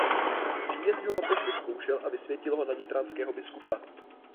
V Římě si ho papež vyzkoušel a vysvětil ho na nitranského biskupa.